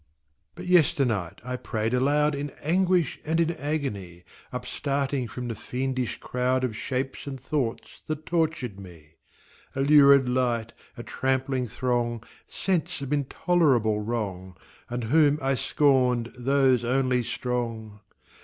But yester night I prayed aloud In anguish and in agony, Up starting from the fiendish crowd Of shapes and thoughts that tortured me : A lurid light, a trampling throng, Sense of intolerable wrong, And whom I scorned, those only strong